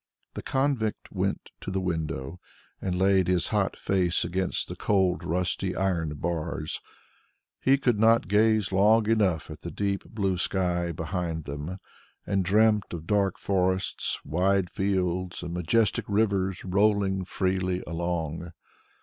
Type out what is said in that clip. The convict went to the window, and laid his hot face against the cold rusty iron bars. He could not gaze long enough at the deep blue sky behind them, and dreamt of dark forests, wide fields and majestic rivers rolling freely along.